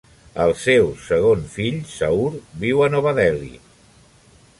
El seu segon fill, Zahoor, viu a Nova Delhi.